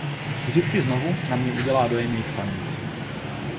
Vždycky znovu na mě udělá dojem jejich paměť.